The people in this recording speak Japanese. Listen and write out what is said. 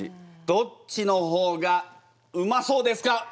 どっちの方がうまそうですか？